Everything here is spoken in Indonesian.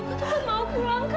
taufan mau pulang kan